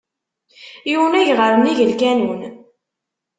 Yunag ɣer nnig lkanun.